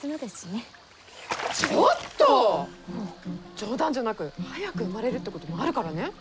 冗談じゃなく早く生まれるってこともあるからね！